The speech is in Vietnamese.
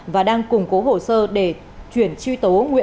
và đang củng cố hội đối tượng